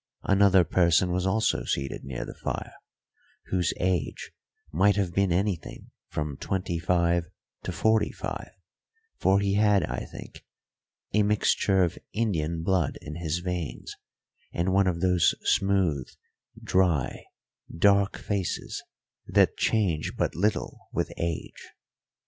Another person was also seated near the fire, whose age might have been anything from twenty five to forty five, for he had, I think, a mixture of Indian blood in his veins, and one of those smooth, dry, dark faces that change but little with age.